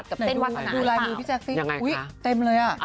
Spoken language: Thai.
ดูลายมือพี่แจ๊คสิอุ๊ยเต็มเลยอ่ะ